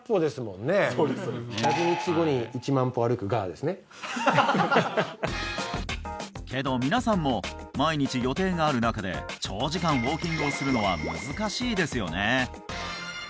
１万ですねけど皆さんも毎日予定がある中で長時間ウォーキングをするのは難しいですよね